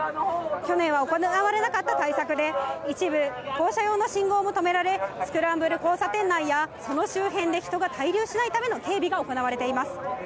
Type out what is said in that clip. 去年は行われなかった対策で、一部、歩行者用の信号も止められ、スクランブル交差点内や、その周辺で人が滞留しないための警備が行われています。